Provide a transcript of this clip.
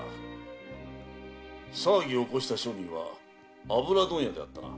騒ぎを起こした商人は油問屋であったな。